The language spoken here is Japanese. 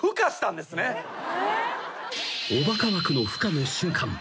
［おバカ枠のふ化の瞬間。